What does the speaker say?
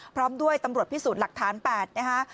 พร้อมด้วยตำรวจพิสูจน์หลักฐาน๘นะคะ